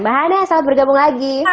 mbak hana selamat bergabung lagi